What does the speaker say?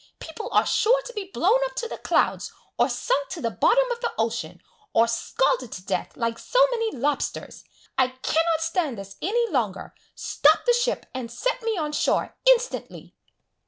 People are sure to be blown up to the clouds, or sunk to the bottom of the ocean, or scalded to death like so many lobsters. I cannot stand this any longer! Stop the ship, and set me on shore instantly!"